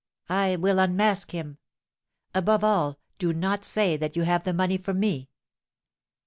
I will unmask him. Above all, do not say that you have the money from me.'